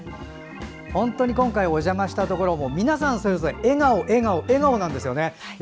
本当に今回お邪魔したところも皆さん、それぞれ笑顔、笑顔、笑顔なんですね。